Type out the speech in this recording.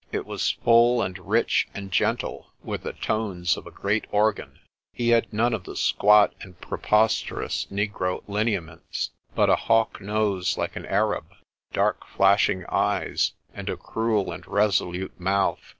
It was full and rich and gentle, with the tones of a great organ. He had none of the squat and preposterous negro lineaments, but a hawk nose like an Arab, dark flashing eyes, and a cruel and resolute mouth.